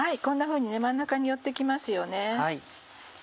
こんなふうに真ん中に寄って来ますよね。